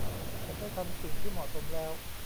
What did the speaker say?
ฉันได้ทำสิ่งที่เหมาะสมแล้ว